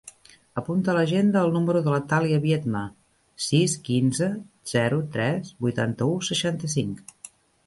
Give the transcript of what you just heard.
Apunta a l'agenda el número de la Thàlia Biedma: sis, quinze, zero, tres, vuitanta-u, seixanta-cinc.